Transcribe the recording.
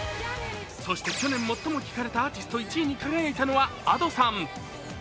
そして、去年最も聴かれたアーティスト１位に輝いたのはＡｄｏさん。